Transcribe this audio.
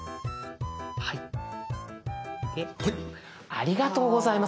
ありがとうございます。